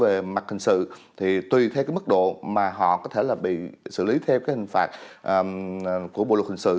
về mặt hình sự thì tùy theo cái mức độ mà họ có thể là bị xử lý theo cái hình phạt của bộ luật hình sự